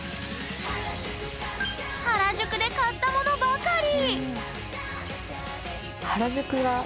原宿で買ったものばかり！